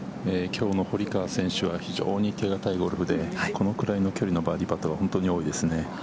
きょうの堀川選手は非常に手堅いゴルフで、このくらいの距離のバーディーパットが本当に多いですね。